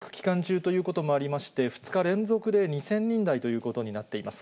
ゴールデンウィーク期間中ということもありまして、２日連続で２０００人台ということになっています。